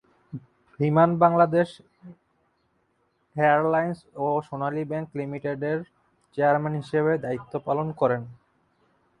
বিমান বাংলাদেশ এয়ারলাইন্স ও সোনালী ব্যাংক লিমিটেডের চেয়ারম্যান হিসেবে দায়িত্ব পালন করেন।